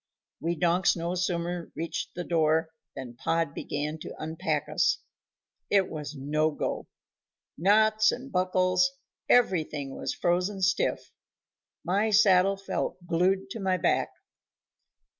We donks no sooner reached the door than Pod began to unpack us. It was no go. Knots and buckles, everything was frozen stiff; my saddle felt glued to my back.